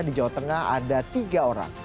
di jawa tengah ada tiga orang